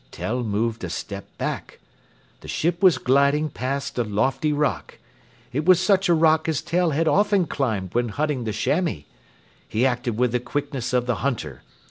Tell moved a step back. The ship was gliding past a lofty rock. It was such a rock as Tell had often climbed when hunting the chamois. He acted with the quickness of the hunter.